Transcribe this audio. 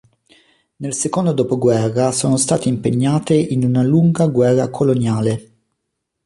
Nel secondo dopoguerra sono state impegnate in una lunga guerra coloniale.